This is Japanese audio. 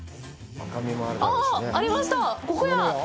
ああー、ありました、ここや！